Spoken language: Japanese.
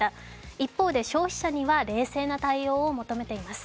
一方で消費者には冷静な対応を求めています。